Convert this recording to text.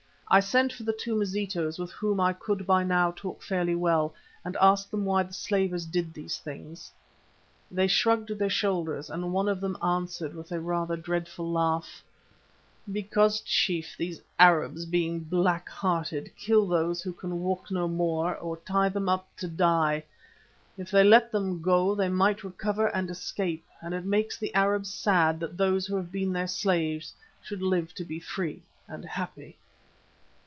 I sent for the two Mazitus, with whom I could by now talk fairly well, and asked them why the slavers did these things. They shrugged their shoulders and one of them answered with a rather dreadful laugh: "Because, Chief, these Arabs, being black hearted, kill those who can walk no more, or tie them up to die. If they let them go they might recover and escape, and it makes the Arabs sad that those who have been their slaves should live to be free and happy."